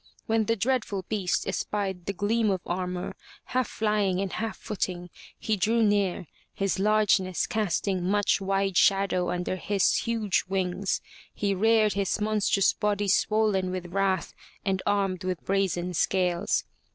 When the dreadful beast espied the gleam of armor, half flying and half footing, he drew near, his largeness casting much wide shadow under his huge wings. He reared his monstrous body swollen with wrath and armed with brazen scales.